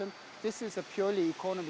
ini adalah masalah skala ekonomi